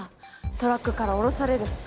トラックから降ろされるバナナ！